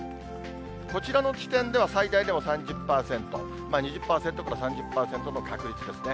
こちらの地点では、最大でも３０％、２０％から３０％の確率ですね。